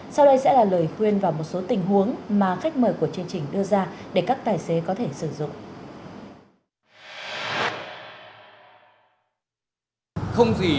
sau đây sẽ là lời khuyên và một số tình huống mà khách mời của chương trình đưa ra để các tài xế có thể sử dụng